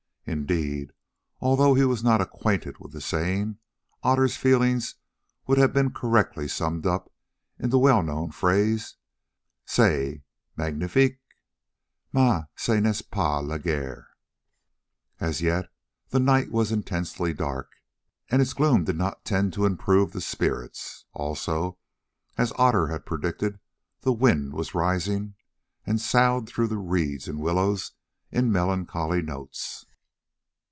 Indeed, although he was not acquainted with the saying, Otter's feelings would have been correctly summed up in the well known phrase, "C'est magnifique, mais ce n'est pas la guerre." As yet the night was intensely dark, and its gloom did not tend to improve their spirits; also, as Otter had predicted, the wind was rising and soughed through the reeds and willows in melancholy notes.